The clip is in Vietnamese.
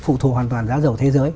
phụ thuộc hoàn toàn giá dầu thế giới